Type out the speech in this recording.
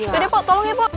yaudah po tolong ya po